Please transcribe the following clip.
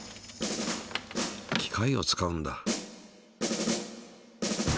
機械を使うんだ。